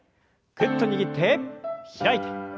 ぐっと握って開いて。